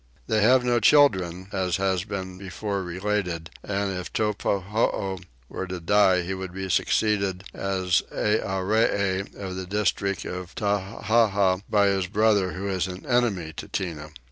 They have no children as has been before related, and if Teppahoo were to die he would be succeeded as Earee of the district of Tettaha by his brother who is an enemy to Tinah.